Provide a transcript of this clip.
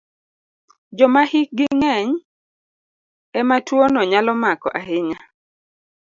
Joma hikgi ng'eny e ma tuwono nyalo mako ahinya.